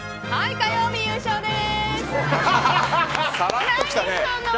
火曜日優勝です。